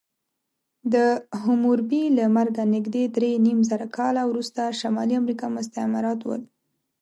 د حموربي له مرګه نږدې درېنیمزره کاله وروسته شمالي امریکا مستعمرات ول.